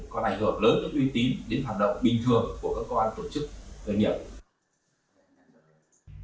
còn ảnh hưởng lớn nhất uy tín đến hoạt động bình thường của các cơ quan tổ chức người nhận